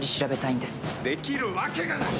できるわけがない！